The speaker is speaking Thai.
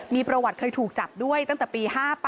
มีประวัติเคยถูกจับด้วยตั้งแต่ปี๕๘